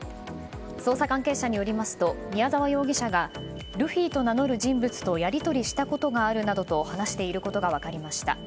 捜査関係者によりますと宮沢容疑者がルフィと名乗る人物とやり取りしたことがあるなどと話していることが分かりました。